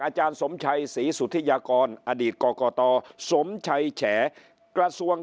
อาจารย์สมชัยศรีสุธิยากรอดีตกรกตสมชัยแฉกระทรวง